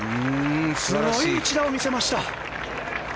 すごい一打を見せました。